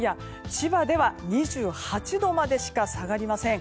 千葉では２８度までしか下がりません。